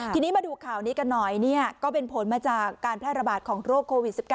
ทีนี้มาดูข่าวนี้กันหน่อยก็เป็นผลมาจากการแพร่ระบาดของโรคโควิด๑๙